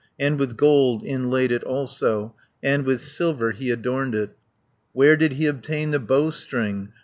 And with gold inlaid it also, And with silver he adorned it. Where did he obtain the bowstring?